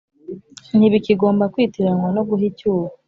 Ntibikigomba kwitiraranywa no guha icyuho